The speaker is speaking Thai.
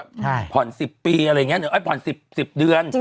ใช่ผ่อน๑๐ปีอะไรอย่างเงี้ยไม่ผ่อน๑๐เดือน